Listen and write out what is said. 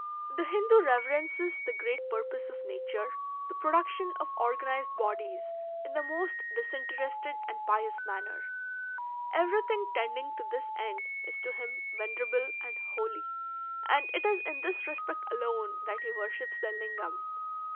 "The Hindoo reverences the great purpose of nature, the production of organized bodies, in the most disinterested and pious manner. Everything tending to this end is to him venerable and holy, and it is in this respect alone that he worships the Lingam.